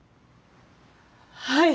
はい！